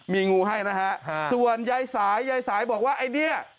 มีงูให้นะฮะส่วนยายสายยายสายบอกว่าไอ้เนี่ย